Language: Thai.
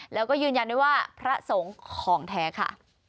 แล้วก็ยืนยันด้วยว่าพระสงฆ์ของแท้ค่ะ